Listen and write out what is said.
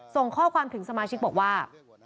ส่งข้อความถึงสมาชิกบอกว่า